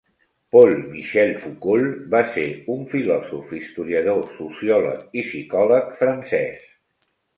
Paul-Michel Foucault va ser un filòsof, historiador, sociòleg i psicòleg francès.